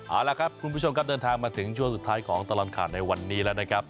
เอาละครับคุณผู้ชมครับเดินทางมาถึงช่วงสุดท้ายของตลอดข่าวในวันนี้แล้วนะครับ